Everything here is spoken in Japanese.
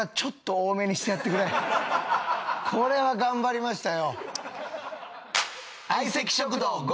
これは頑張りましたよ